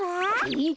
えっ？